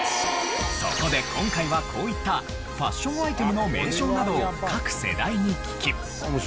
そこで今回はこういったファッションアイテムの名称などを各世代に聞き。